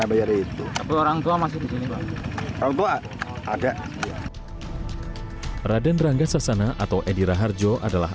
bayar itu orang tua masih disini banget kalau buat ada raden rangga sasana atau edira harjo adalah